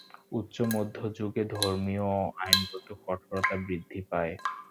উচ্চ মধ্যযুগে ধর্মীয় ও আইনগত কঠোরতা বৃদ্ধি পায়।